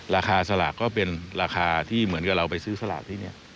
ราคาสลากก็เป็นราคาที่เหมือนกับเราไปซื้อสลากที่นี่